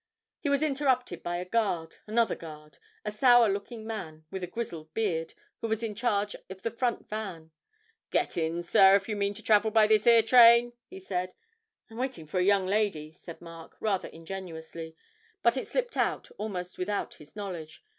He was interrupted by a guard another guard, a sour looking man with a grizzled beard, who was in charge of the front van. 'Get in, sir, if you mean to travel by this 'ere train,' he said. 'I'm waiting for a young lady,' said Mark, rather ingenuously, but it slipped out almost without his knowledge.